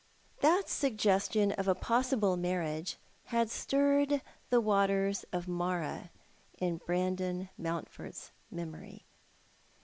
That suggestion of a possible marriage had stirred the waters of Marah in Brandon Mountford's memory.